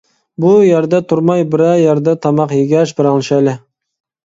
بۇ يەردە تۇرماي بىرەر يەردە تاماق يېگەچ پاراڭلىشايلى.